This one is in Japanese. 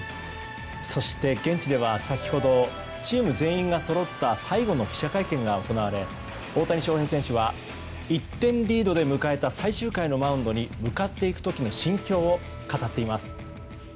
そして現地では先ほどチーム全員がそろった最後の記者会見が行われ大谷翔平選手は１点リードで迎えた最終回のマウンドに向かっていく時の心境を語っています。